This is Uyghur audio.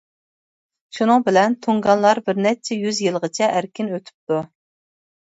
شۇنىڭ بىلەن تۇڭگانلار بىر نەچچە يۈز يىلغىچە ئەركىن ئۆتۈپتۇ.